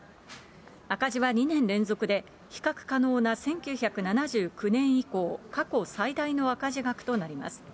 赤字は２年連続で、比較可能な１９７９年以降、過去最大の赤字額となります。